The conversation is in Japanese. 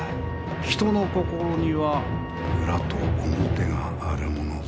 人の心には裏と表があるものぞ。